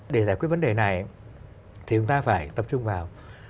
để giải quyết vấn đề này thì chúng ta phải tập trung vào